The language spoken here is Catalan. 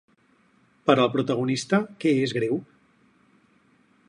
Per al protagonista, què és greu?